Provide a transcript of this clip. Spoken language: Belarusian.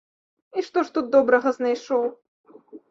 І што ж тут добрага знайшоў?